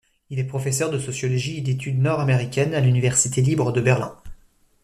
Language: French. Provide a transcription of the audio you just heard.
Il est professeur de sociologie et d'études nord-américaines à l'université libre de Berlin.